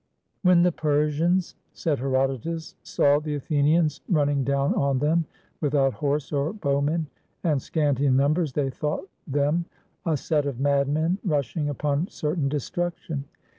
"When the Persians," said Herodotus, "saw the Athenians running down on them, without horse or bowmen, and scanty in numbers, they thought them a set of madmen rushing upon certain destruction."